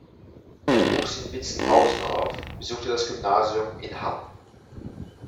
Er wuchs in Witzenhausen auf, besuchte das Gymnasium in Hann.